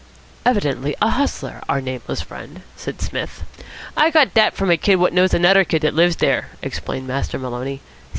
"Evidently a hustler, our nameless friend," said Psmith. "I got dat from a kid what knows anuder kid what lives dere," explained Master Maloney.